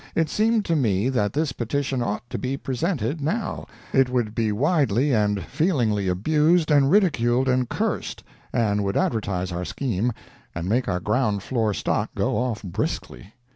It seemed to me that this petition ought to be presented, now it would be widely and feelingly abused and ridiculed and cursed, and would advertise our scheme and make our ground floor stock go off briskly.